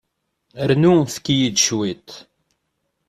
Rnu efk-iyi-d cwiṭ.